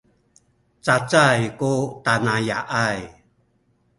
cacay ku tanaya’ay